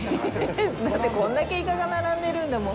だってこれだけイカが並んでるんだもん。